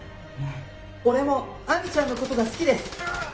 俺もアミちゃんのことが好きです。